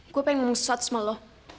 gue pengen ngomong sesuatu sama lo